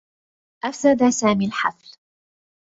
أفسد سامي الحفل.